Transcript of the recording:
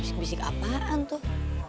bisik bisik apaan tuh